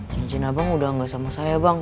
cincin abang udah nggak sama saya bang